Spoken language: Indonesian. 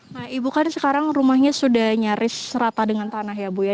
nah ibu kan sekarang rumahnya sudah nyaris rata dengan tanah ya bu ya